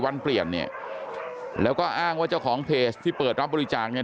วันเปลี่ยนเนี่ยแล้วก็อ้างว่าเจ้าของเพจที่เปิดรับบริจาคเนี่ย